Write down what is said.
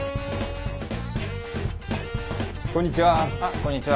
こんにちは。